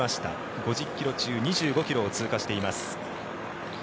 ５０ｋｍ中２５ｋｍを通過しています。